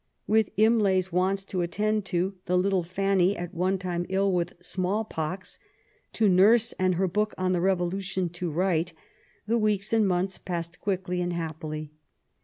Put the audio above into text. With Imlay's. wants to attend to, the little Fanny, at one time ill with small pox, to nurse, and her book on the Revolu tion to write, the weeks and months passed quickly and happ, ily.